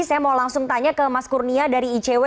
saya mau langsung tanya ke mas kurnia dari icw